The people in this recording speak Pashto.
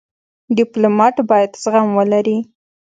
ډيپلومات باید زغم ولري.